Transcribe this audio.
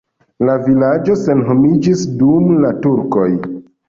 La vilaĝo senhomiĝis dum la turkoj.